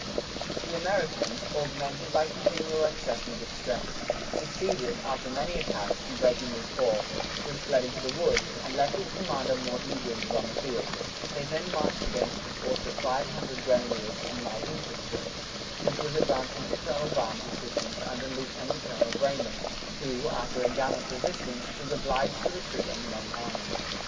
The Americans, augmented by continual accessions of strength, succeeded, after many attacks, in breaking this corps, which fled into the woods, and left its commander mortally wounded on the field: they then marched against a force of five hundred grenadiers and light infantry, which was advancing to Colonel Baum's assistance under Lieutenant Colonel Breyman; who, after a gallant resistance, was obliged to retreat on the main army.